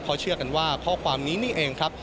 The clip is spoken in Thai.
เขาเชื่อกันว่าข้อความนี้นี่เองครับ